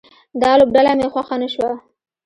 دا لوبډله مې خوښه نه شوه